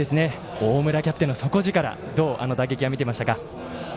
大村キャプテンの底力かどうあの打撃は見ていましたか？